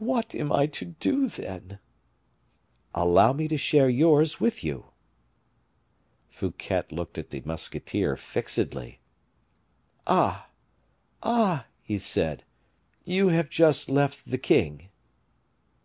"What am I to do, then?" "Allow me to share yours with you." Fouquet looked at the musketeer fixedly. "Ah! ah!" he said, "you have just left the king."